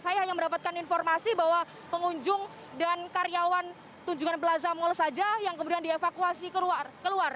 saya hanya mendapatkan informasi bahwa pengunjung dan karyawan tunjungan plaza molo saja yang kemudian dievakuasi keluar